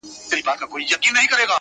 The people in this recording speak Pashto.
تالنده برېښنا يې خــوښـــــه ســوېده ـ